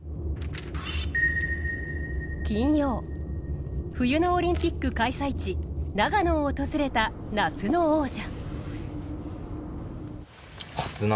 金曜、冬のオリンピック開催地長野を訪れた夏の王者。